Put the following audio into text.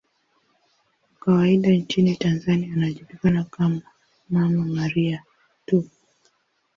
Kwa kawaida nchini Tanzania anajulikana kama 'Mama Maria' tu.